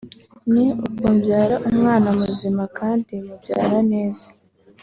ni uko mbyara umwana muzima kandi mu byara neza